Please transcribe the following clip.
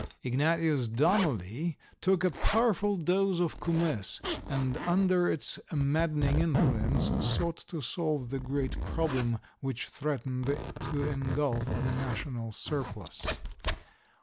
Ignatius Donnelly took a powerful dose of kumiss, and under its maddening influence sought to solve the great problem which threatened to engulf the national surplus.